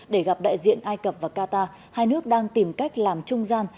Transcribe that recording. để gặp đại diện ai cập và qatar hai nước đang tìm cách làm trung gian